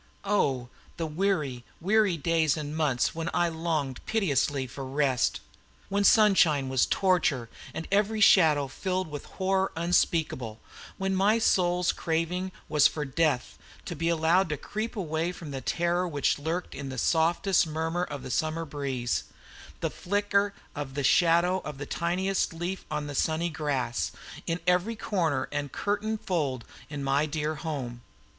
O, the weary, weary days and months when I longed piteously for rest! when sunshine was torture, and every shadow filled with horror unspeakable; when my soul's craving was for death; to be allowed to creep away from the terror which lurked in the softest murmur of the summer breeze, the flicker of the shadow of the tiniest leaf on the sunny grass, in every corner and curtain fold in my dear old home.